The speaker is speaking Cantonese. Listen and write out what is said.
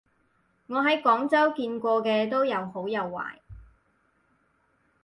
我喺廣州見過嘅都有好有壞